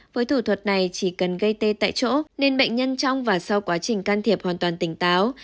với thủ thuật này chỉ cần gây tê tại chỗ nên bệnh nhân trong và sau quá trình can thiệp hoàn toàn tỉnh táo